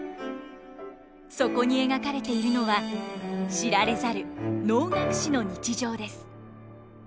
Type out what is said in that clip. そこに描かれているのは知られざる能楽師の日常です。